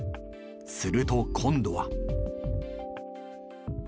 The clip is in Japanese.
すると今度は。